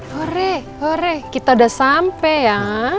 hooray kita udah sampai ya